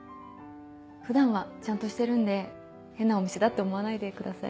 普段はちゃんとしてるんで変なお店だって思わないでください。